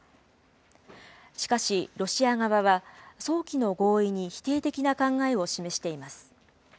しかし、ロシア側は早期の合意に否定的な考えを示しています。